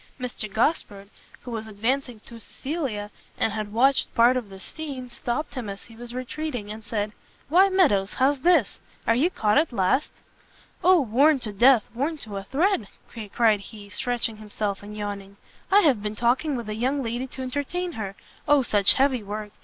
Mr Gosport, who was advancing to Cecilia, and had watched part of this scene, stopt him as he was retreating, and said "Why Meadows, how's this? are you caught at last?" "O worn to death! worn to a thread!" cried he, stretching himself, and yawning; "I have been talking with a young lady to entertain her! O such heavy work!